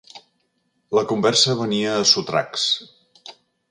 La conversa venia a sotracs.